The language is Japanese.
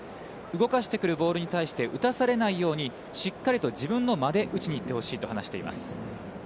動かしてくるボールに対して、打たされないようにしっかりと自分の間で打ちに行ってほしいと話しています。